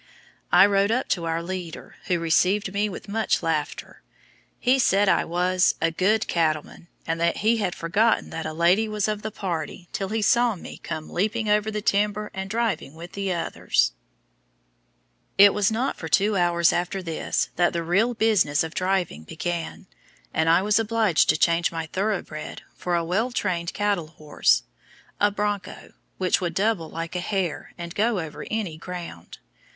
I rode up to our leader, who received me with much laughter. He said I was "a good cattleman," and that he had forgotten that a lady was of the party till he saw me "come leaping over the timber, and driving with the others." It was not for two hours after this that the real business of driving began, and I was obliged to change my thoroughbred for a well trained cattle horse a bronco, which could double like a hare, and go over any ground.